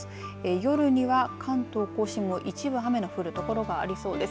夜には関東甲信も一部雨の降るところがありそうです。